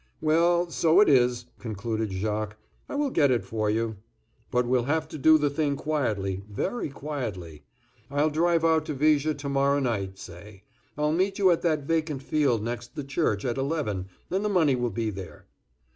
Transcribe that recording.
"Well, so it is," concluded Jacques. "I will get it for you. But we'll have to do the thing quietly, very quietly. I'll drive out to Viger to morrow night, say. I'll meet you at that vacant field next the church, at eleven, and the money will be there."